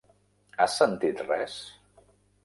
Has sentit res?